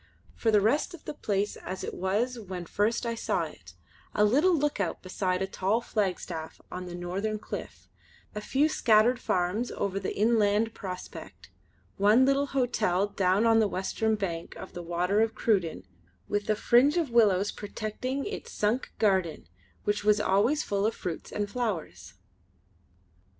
For the rest of the place as it was when first I saw it, a little lookout beside a tall flagstaff on the northern cliff, a few scattered farms over the inland prospect, one little hotel down on the western bank of the Water of Cruden with a fringe of willows protecting its sunk garden which was always full of fruits and flowers.